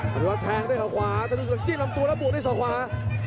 อัภพยวัตแทงด้วยเขาขวาด์สอคว้า